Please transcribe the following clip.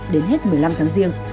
đến hết một mươi năm tháng riêng